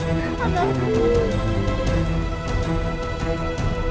jangan jangan semua